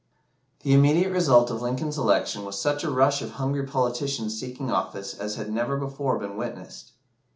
The immediate result of Lincoln's election was such a rush of hungry politicians seeking office as had never before been witnessed.